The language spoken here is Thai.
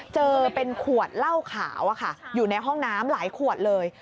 เจอเป็นขวดเหล้าขาวอยู่ในห้องน้ำหลายขวดเลย